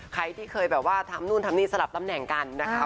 ใครที่เคยแบบว่าทำนู่นทำนี่สลับตำแหน่งกันนะคะ